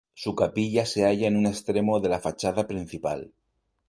Su capilla se halla en un extremo de la fachada principal.